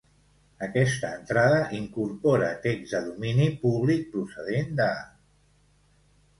"Aquesta entrada incorpora text de domini públic procedent de:"